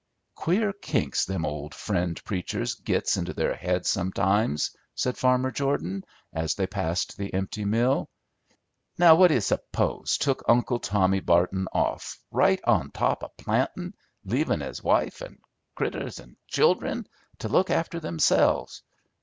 "Queer kinks them old Friend preachers gits into their heads sometimes," said Farmer Jordan, as they passed the empty mill. "Now what do you s'pose took Uncle Tommy Barton off right on top of plantin', leavin' his wife 'n' critters 'n' child'en to look after themselves?